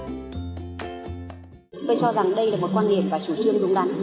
tôi cho rằng đây là một quan điểm và chủ trương đúng đắn